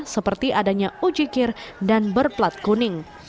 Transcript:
seperti adanya ujikir dan berplat kuning